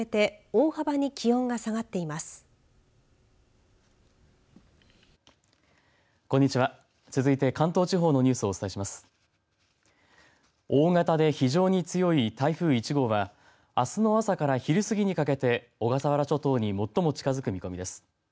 大型で非常に強い台風１号はあすの朝から昼過ぎにかけて小笠原諸島に最も近づく見込みです。